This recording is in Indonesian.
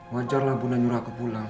wajarlah bunda nyuruh aku pulang